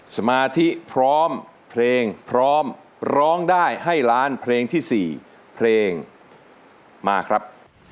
สมาธิพร้อมเพลงพร้อมร้องได้ให้ล้านเพลงที่๔เพลงมาครับ